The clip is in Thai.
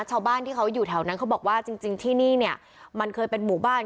ชาวบ้านที่เขาอยู่แถวนั้นเขาบอกว่าจริงที่นี่เนี่ยมันเคยเป็นหมู่บ้าน